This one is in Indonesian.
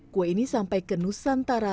kue ini sampai ke nusantara